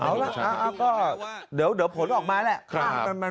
เอาล่ะก็เดี๋ยวผลออกมาแหละ